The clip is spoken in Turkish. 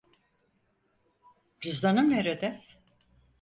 Cüzdanım nerede?